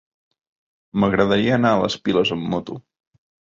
M'agradaria anar a les Piles amb moto.